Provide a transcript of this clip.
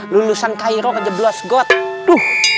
lulusan cairo ke jeblos god